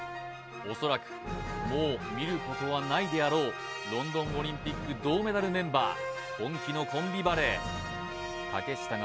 おそらくもう見ることはないであろうロンドンオリンピック銅メダルメンバー